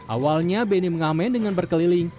awalnya beni mengamen dengan berkeliling